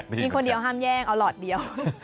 กินคนเดียวห้ามแย่งเอาหลอดเดียว